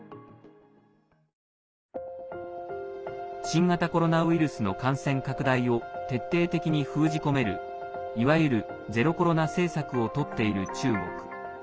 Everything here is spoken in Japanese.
新型コロナウイルスの感染拡大を徹底的に封じ込めるいわゆるゼロコロナ政策をとっている中国。